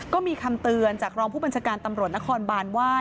ก็มีคำเตือนจากรองผู้บัญชาการตำรวจนครบานว่า